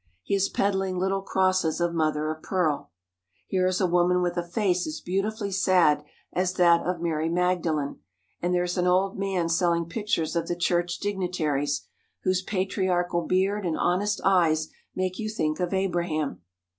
He is peddling little crosses of mother of pearl. Here is a woman with a face as beau tifully sad as that of Mary Magdalene, and there is an old man selling pictures of the church dignitaries, whose patriarchal beard and honest eyes make you think of Abraham.